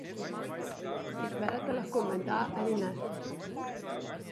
Izberete lahko med da ali ne.